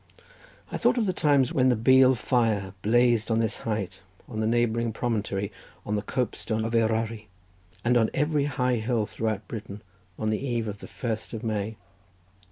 I thought on the times when the Beal fire blazed on this height, on the neighbouring promontory, on the copestone of Eryri, and on every high hill throughout Britain on the eve of the first of May.